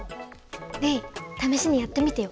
レイためしにやってみてよ。